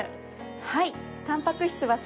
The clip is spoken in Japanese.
はい。